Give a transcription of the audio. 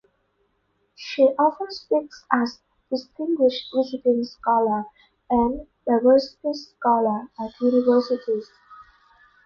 She often speaks as "distinguished visiting scholar" and "diversity scholar" at universities.